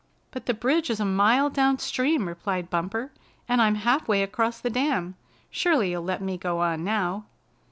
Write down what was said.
"But the bridge is a mile down stream," replied Bumper, "and I'm half way across the dam. Surely you'll let me go on now."